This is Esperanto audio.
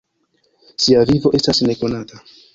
Sia vivo estas nekonata.